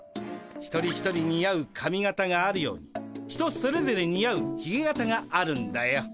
一人一人似合う髪形があるように人それぞれ似合うひげ形があるんだよ。